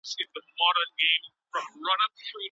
فارمسي پوهنځۍ په تصادفي ډول نه ټاکل کیږي.